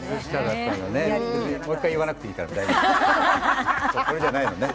もう一回言わなくていいから。